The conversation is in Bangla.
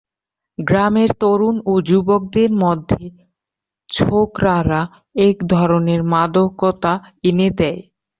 গ্রামের তরুণ ও যুবকদের মধ্যে ছোকরারা এক ধরনের মাদকতা এনে দেয়।